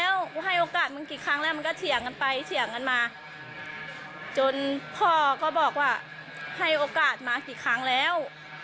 ไว้เถียงกันมาจนพ่อก็บอกว่าให้โอกาสมากี่ครั้งแล้ว